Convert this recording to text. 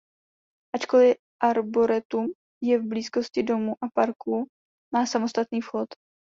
Ačkoliv arboretum je v blízkosti domu a parku má samostatný vchod.